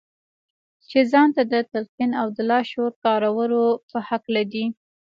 چې ځان ته د تلقين او د لاشعور د کارولو په هکله دي.